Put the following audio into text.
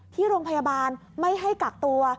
ที่โรงพยาบาลไม่ให้กักตัว